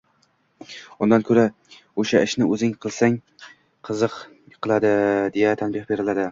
undan ko‘ra, o‘sha ishni o‘zing qilsang, qizing qiladi”, deya tanbeh beriladi.